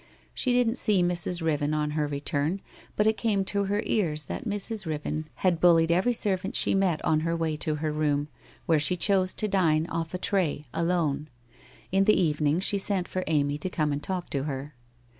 She didn't see Mrs. Riven on her return, but it came to her ears that Mrs. Riven had bullied every servant she met on her way to her room, where she chose to dine off a tray, alone. In the evening she sent for Amy to come and talk to her.